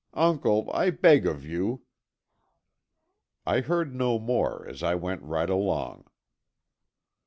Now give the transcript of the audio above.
Uncle, I beg of you....' I heard no more, as I went right along."